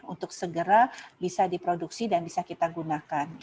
untuk segera bisa diproduksi dan bisa kita gunakan